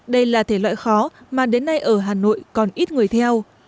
đây là thể loại khó mà đến nay ở hà nội còn ít người theo